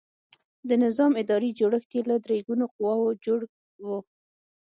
د نظام اداري جوړښت یې له درې ګونو قواوو څخه جوړ و.